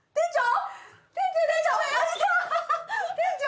店長？